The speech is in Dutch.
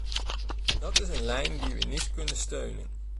Dat is een lijn die we niet kunnen steunen.